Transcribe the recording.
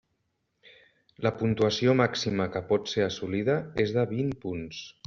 La puntuació màxima que pot ser assolida és de vint punts.